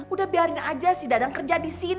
udah biarin aja si dadang kerja disini